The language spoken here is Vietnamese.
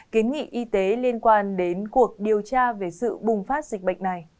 kiến nghị y tế liên quan đến cuộc điều tra về sự bùng phát dịch bệnh này